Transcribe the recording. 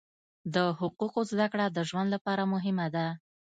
د حقوقو زده کړه د ژوند لپاره مهمه ده.